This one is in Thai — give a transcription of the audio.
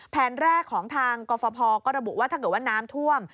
แผนแรกของทางกรฟภก็ระบุว่าถ้าเกิดว่าน้ำท่วม